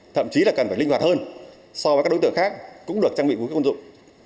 thậm chí là cần phải linh hoạt hơn so với các đối tượng khác cũng được trang bị vũ khí quân dụng